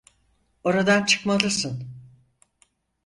Oradan çıkmalısın.